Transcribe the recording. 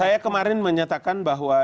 saya kemarin menyatakan bahwa